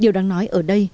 điều đáng nói ở đây